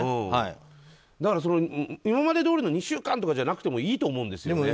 だから、今までどおりの２週間とかじゃなくていいと思うんですよ。